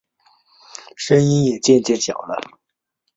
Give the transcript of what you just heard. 声音也渐渐小了